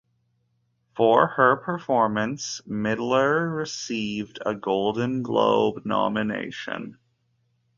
For her performance, Midler received a Golden Globe nomination.